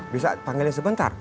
bisa panggilnya sebentar